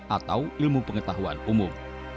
atau ilmu pengetahuan umum